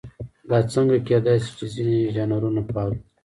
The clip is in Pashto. دا څنګه کېدای شي چې ځینې ژانرونه پالو.